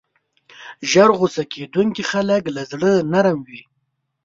ژر غصه کېدونکي خلک له زړه نرم وي.